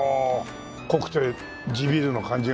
濃くて地ビールの感じがするね。